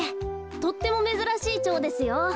とってもめずらしいチョウですよ。